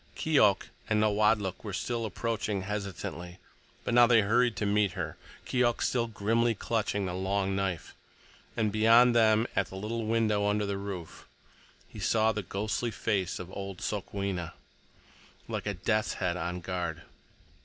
Keok and Nawadlook were approaching hesitatingly, but now they hurried to meet her, Keok still grimly clutching the long knife; and beyond them, at the little window under the roof, he saw the ghostly face of old Sokwenna, like a death's head on guard.